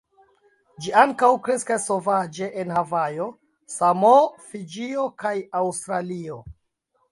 Ĝi ankaŭ kreskas sovaĝe en Havajo, Samoo, Fiĝio kaj Aŭstralio.